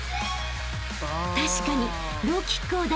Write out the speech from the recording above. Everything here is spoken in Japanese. ［確かに］